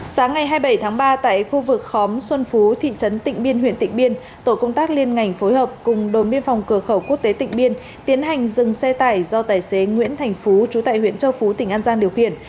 sáng ngày hai mươi bảy tháng ba tại khu vực khóm xuân phú thị trấn tịnh biên huyện tịnh biên tổ công tác liên ngành phối hợp cùng đồn biên phòng cửa khẩu quốc tế tịnh biên tiến hành dừng xe tải do tài xế nguyễn thành phú trú tại huyện châu phú tỉnh an giang điều khiển